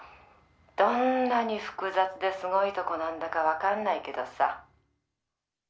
「どんなに複雑でスゴイ所なんだか分からないけどさ」